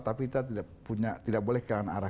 tapi kita tidak boleh kehilangan arah